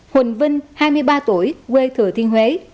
huỳnh vinh hai mươi ba tuổi quê thừa thiên huế